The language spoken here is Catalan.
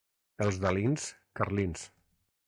Els d'Alins, carlins.